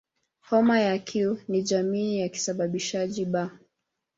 Homa ya Q ni jamii ya kisababishi "B".